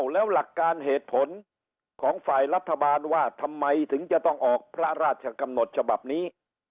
แล้วหลักการเหตุผลของฝ่ายรัฐบาลว่าทำไมถึงจะต้องออกพระราชกำหนดฉบับนี้